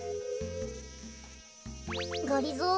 がりぞー